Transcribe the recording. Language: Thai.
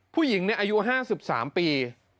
ผู้หญิงเนี่ยอายุ๕๓ปี